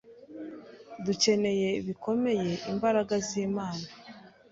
dukeneye bikomeye imbaraga z'Imana